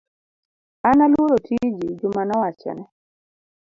An aluoro tiji, Juma nowachone.